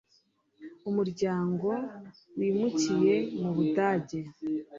umuryango wimukiye mu budage